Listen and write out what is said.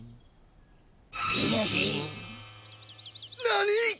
何！